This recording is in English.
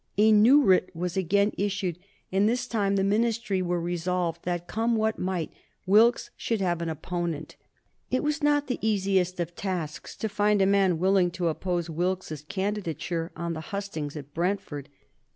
A new writ was again issued, and this time the Ministry were resolved that, come what come might, Wilkes should have an opponent. It was not the easiest of tasks to find a man willing to oppose Wilkes's candidature on the hustings at Brentford.